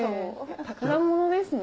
宝物ですね。